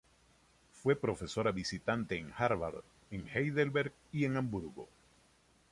Fue profesora visitante en Harvard, en Heidelberg y en Hamburgo.